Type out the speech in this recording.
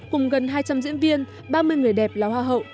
cùng gần hai trăm linh diễn viên ba mươi người đẹp là hoa hậu